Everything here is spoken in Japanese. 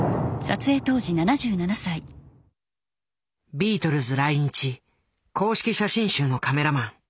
ビートルズ来日公式写真集のカメラマン。